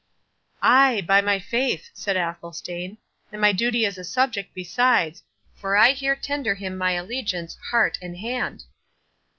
"Ay, by my faith!" said Athelstane; "and my duty as a subject besides, for I here tender him my allegiance, heart and hand."